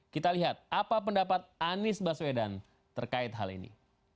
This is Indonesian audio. kita lihat apa pendapat anies baswedan terkait hal ini